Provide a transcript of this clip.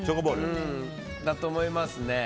だと思いますね。